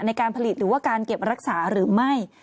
ในการผลิตหรือว่าการเก็บรักษาหรือไม่